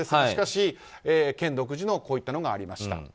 しかし、県独自のこういったものがありました。